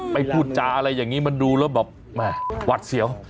พูดจาอะไรอย่างนี้มันดูแล้วแบบหวัดเสียว